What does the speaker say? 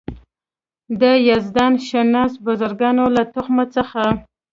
د یزدان شناس بزرګانو له تخم څخه دی.